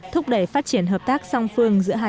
thúc đẩy phát triển hợp tác song phương giữa hai